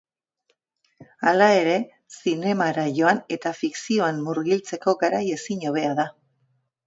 Hala ere, zinemara joan eta fikzioan murgiltzeko garai ezin hobea da.